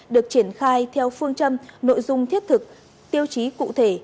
được triển khai theo phương châm nội dung thiết thực tiêu chí cụ thể